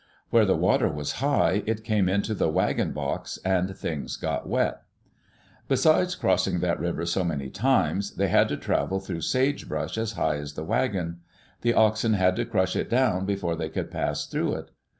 Where the water was high, it came into the wagon box and things got wet. Besides crossing that river so many times, they had to travel through sagebrush as high as the wagon. The oxen had to crush it down before they could pass through it.